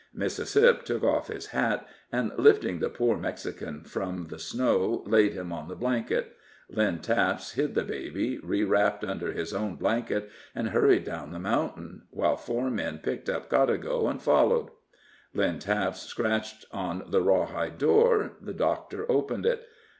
Mississip took off his hat, and lifting the poor Mexican from the snow, laid him in the blanket. Lynn Taps hid the baby, rewrapped, under his own blanket, and hurried down the mountain, while four men picked up Codago and followed. Lynn Taps scratched on the rawhide door; the doctor opened it.